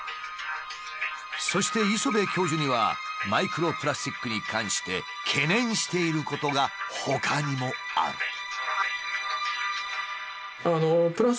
そして磯辺教授にはマイクロプラスチックに関して懸念していることがほかにもある。